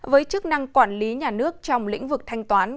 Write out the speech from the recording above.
với chức năng quản lý nhà nước trong lĩnh vực thanh toán